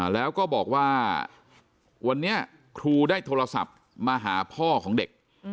แล้วก็บอกว่าวันนี้ครูได้โทรศัพท์มาหาพ่อของเด็ก